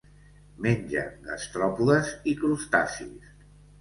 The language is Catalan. Menja gastròpodes i crustacis.